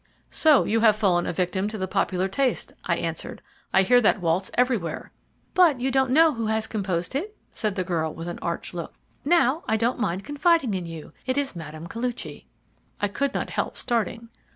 "So you have fallen a victim to the popular taste?" I answered. "I hear that waltz everywhere." "But you don't know who has composed it?" said the girl, with an arch look. "Now, I don't mind confiding in you it is Mme. Koluchy." I could not help starting.